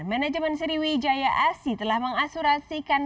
manajemen sriwijaya asi telah mengasurasikan